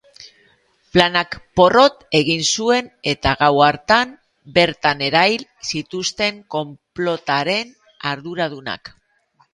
Planak porrot egin zuen eta gau hartan bertan erail zituzten konplotaren arduradunak.